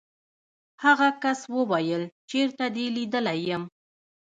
هغه کس وویل چېرته دې لیدلی یم.